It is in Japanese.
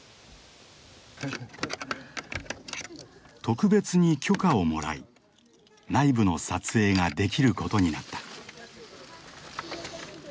特別に許可をもらい内部の撮影ができることになった。